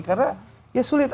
karena ya sulit